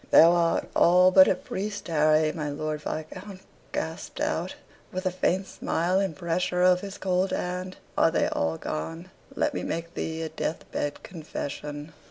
"Thou art all but a priest, Harry," my Lord Viscount gasped out, with a faint smile, and pressure of his cold hand. "Are they all gone? Let me make thee a death bed confession."